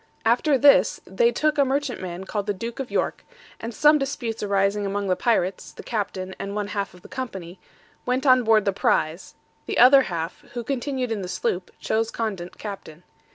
After this, they took a merchantman called the Duke of York; and some disputes arising among the pirates, the captain, and one half of the company, went on board the prize; the other half, who continued in the sloop, chose Condent captain.